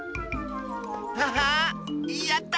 ハハッやった！